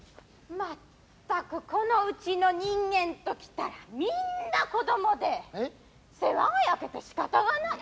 全くこのうちの人間と来たらみんな子供で世話が焼けてしかたがない。